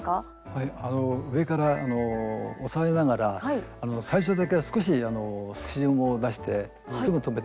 上から押さえながら最初だけは少しスチームを出してすぐ止めて下さい。